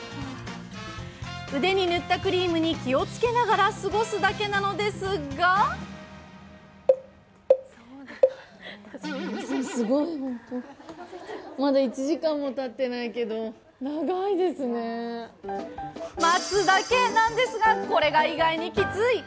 腕に塗ったクリームに気をつけながら過ごすだけなのですが待つだけなんですが、これが意外にきつい。